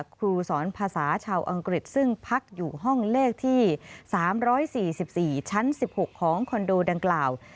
ครูสอนภาษาชาวอังกฤษซึ่งพักอยู่ห้องเลขที่๓๔๔ชั้น๑๖ของคอนโดดังกล่าว